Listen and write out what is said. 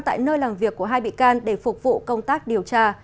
tại nơi làm việc của hai bị can để phục vụ công tác điều tra